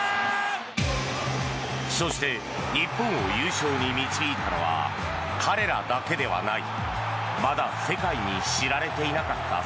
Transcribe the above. そして日本を優勝に導いたのは彼らだけではない。